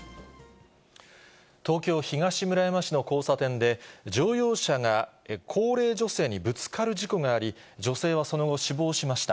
東京・東村山市の交差点で、乗用車が高齢女性にぶつかる事故があり、女性はその後、死亡しました。